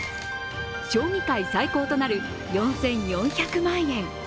将棋界最高となる４４００万円。